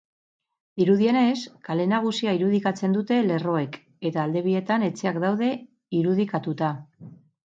Dirudienez, kale nagusia irudikatzen dute lerroek eta alde bietan etxeak daude irudikatuta.